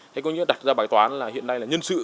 thế có nghĩa đặt ra bài toán là hiện nay là nhân sự